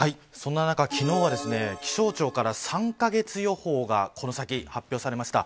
そんな中、昨日は気象庁から３カ月予報がこの先、発表されました。